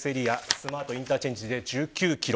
スマートインターチェンジで１９キロ